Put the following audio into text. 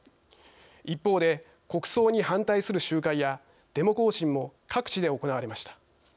一方で国葬に反対する集会やデモ行進も各地で行われました。